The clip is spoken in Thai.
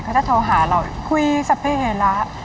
เขาจะโทรหาเราคุยสำหรับเป็นเหตูและ